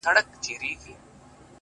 • نه یې شرم وو له کلي نه له ښاره,